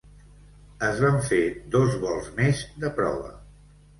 Es van fer dos vols més de prova.